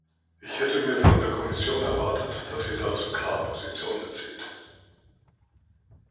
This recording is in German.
Ich hätte mir von der Kommission erwartet, dass sie dazu klar Position bezieht.